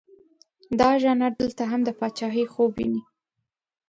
دا ژانر دلته هم د پاچهي خوب ویني.